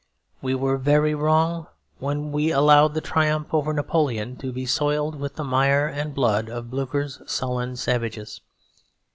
We were very wrong indeed when we allowed the triumph over Napoleon to be soiled with the mire and blood of Blucher's sullen savages.